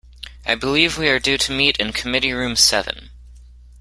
I believe we are due to meet in committee room seven.